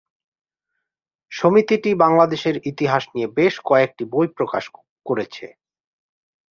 সমিতিটি বাংলাদেশের ইতিহাস নিয়ে বেশ কয়েকটি বই প্রকাশ করেছে।